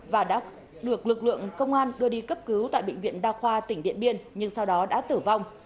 và đã được lực lượng công an đưa đi cấp cứu tại bệnh viện đa khoa tỉnh điện biên nhưng sau đó đã tử vong